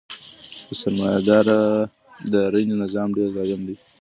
د سرمایه دارۍ نظام ډیر ظالم دی.